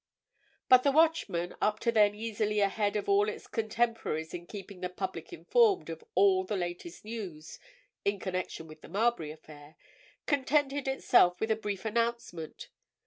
But the Watchman, up to then easily ahead of all its contemporaries in keeping the public informed of all the latest news in connection with the Marbury affair, contented itself with a brief announcement.